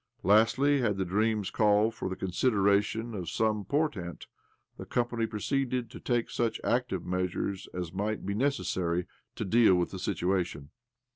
Lastly, had their dreams called for the consideration of some portent, the company proceeded to take such active measures as might be necessary to deal with the situation.